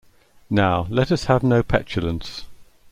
Now, let us have no petulance.